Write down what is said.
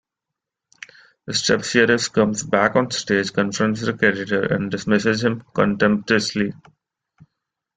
Strepsiades comes back on stage, confronts the creditor and dismisses him contemptuously.